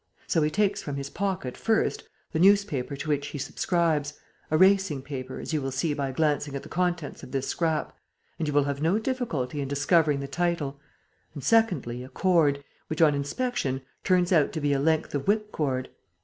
So he takes from his pocket, first, the newspaper to which he subscribes a racing paper, as you will see by glancing at the contents of this scrap; and you will have no difficulty in discovering the title and, secondly, a cord, which, on inspection, turns out to be a length of whip cord.